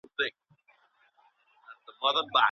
که رواج پريږدئ خلګ به پيغور درکړي.